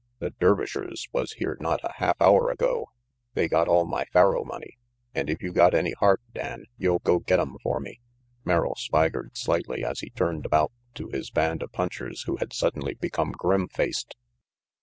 The Dervishers was here not a half hour ago. They got all my faro money, and if you got any heart, Dan, you'll go get 'em for me." Merrill swaggered slightly as he turned about to his band of punchers who had suddenly become grim faced.